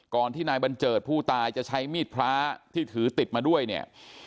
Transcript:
ที่นายบัญเจิดผู้ตายจะใช้มีดพระที่ถือติดมาด้วยเนี่ย